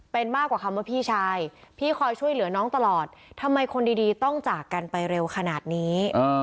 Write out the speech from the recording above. เป็นมากกว่าคำว่าพี่ชายพี่คอยช่วยเหลือน้องตลอดทำไมคนดีต้องจากกันไปเร็วขนาดนี้